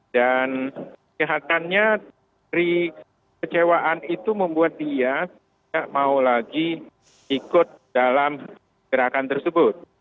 dan kecehatannya dari kecewaan itu membuat dia tidak mau lagi ikut dalam gerakan tersebut